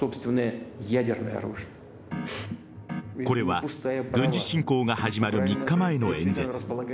これは軍事侵攻が始まる３日前の演説。